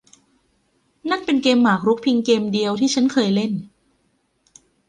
นั่นเป็นเกมหมากรุกเพียงเกมเดียวที่ฉันเคยเล่น